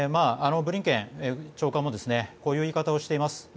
ブリンケン長官もこういう言い方をしています。